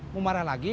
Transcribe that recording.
mau marah lagi